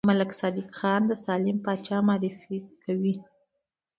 ملک صادق ځان د سالم پاچا معرفي کوي.